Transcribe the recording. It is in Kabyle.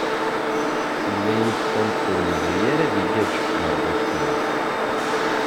Yenna-iyi-d Tom ur yebɣi ara ad igaj ɣer Boston.